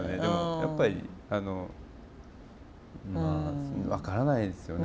やっぱりあのまあ分からないですよね